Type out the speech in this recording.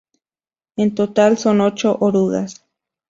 En total son ocho orugas.